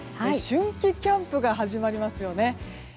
春季キャンプが始まりますよね。